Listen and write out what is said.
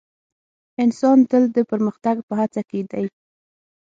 انسان تل د پرمختګ په هڅه کې دی.